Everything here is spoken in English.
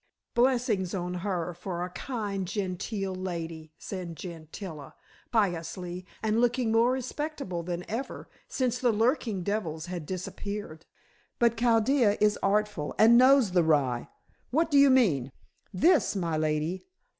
"Blessings on her for a kind, Gentile lady," said Gentilla, piously, and looking more respectable than ever, since the lurking devils had disappeared. "But Chaldea is artful, and knows the rye." "What do you mean?" "This, my lady.